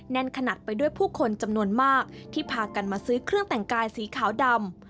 แน่นขนาดไปด้วยผู้คนจำนวนมากที่พากันมาซื้อเครื่องแต่งกายสีขาวดำ